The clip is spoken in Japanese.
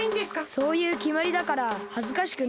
そういうきまりだからはずかしくないです。